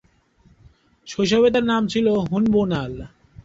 শৈশবে তার নাম ছিল ‘হুন বুনাল’।